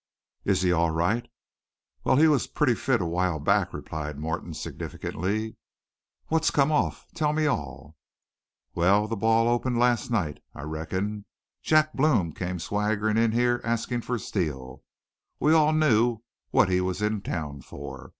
"Is he all right?" "Wal, he was pretty fit a little while back," replied Morton significantly. "What's come off? Tell me all." "Wal, the ball opened last night, I reckon. Jack Blome came swaggerin' in here askin' for Steele. We all knew what he was in town for.